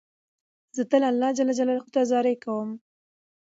زه تل الله جل جلاله ته زارۍ کوم.